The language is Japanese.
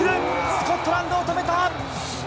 スコットランドを止めた。